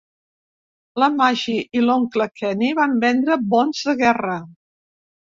La Maggie i l'oncle Kenny van vendre bons de guerra.